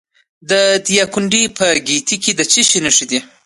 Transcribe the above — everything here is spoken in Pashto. د دایکنډي په ګیتي کې د څه شي نښې دي؟